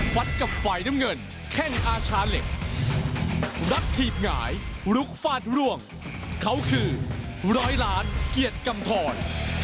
กับฝ่ายน้ำเงินแข้งอาชาเหล็กรักถีบหงายลุกฟาดร่วงเขาคือร้อยล้านเกียรติกำทร